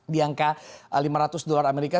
di angka lima ratus dolar amerika